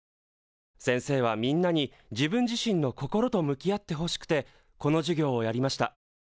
先生はみんなに自分自身の心と向き合ってほしくてこの授業をやりました。